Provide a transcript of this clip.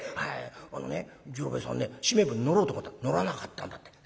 あのね次郎兵衛さんねしめえ舟に乗ろうと思ったら乗らなかったんだって。